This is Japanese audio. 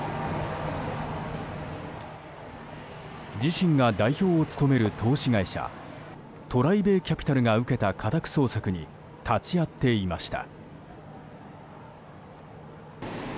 自身が代表を務める投資会社ＴＲＩＢＡＹＣＡＰＩＴＡＬが受けた家宅捜索に立ち会っていました。